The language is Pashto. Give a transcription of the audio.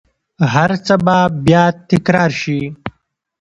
هرڅه به بیا تکرار شي